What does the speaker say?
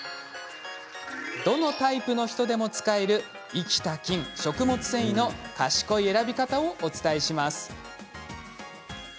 どのタイプの人でも使える生きた菌、食物繊維の賢い選び方をお伝えします。